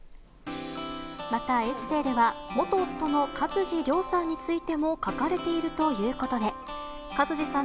またエッセーでは、元夫の勝地涼さんについても書かれているということで、勝地さん